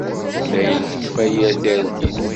Dayen tekfa yir targit.